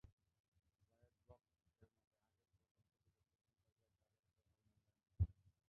জায়েদ বখ্ত-এর মতে, আগের প্রকল্পটিতে প্রথম পর্যায়ের কাজের প্রভাব মূল্যায়ন করা হয়নি।